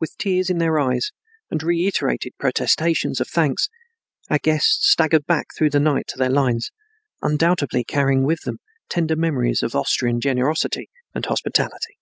With tears in their eyes and reiterated protestations of thanks, our guests staggered back through the night to their lines, undoubtedly carrying with them tender memories of Austrian generosity and hospitality.